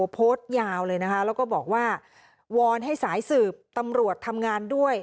โพสต์ยาวเลยนะคะแล้วก็บอกว่าวอนให้สายสืบตำรวจทำงานด้วย